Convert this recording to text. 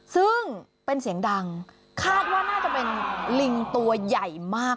ซึ่งเป็นเสียงดังคาดว่าน่าจะเป็นลิงตัวใหญ่มาก